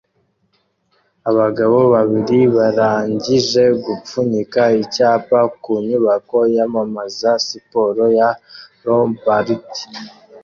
Abagabo babiri barangije gupfunyika icyapa ku nyubako yamamaza siporo ya Lombardi